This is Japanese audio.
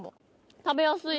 食べやすいし味